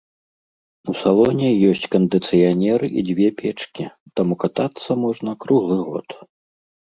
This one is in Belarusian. У салоне ёсць кандыцыянер і дзве печкі, таму катацца можна круглы год.